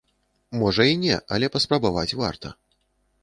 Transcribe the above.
Можа і не, але паспрабаваць варта.